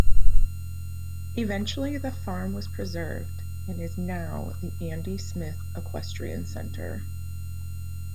Eventually the farm was preserved and is now the Andy Smith Equestrian Center.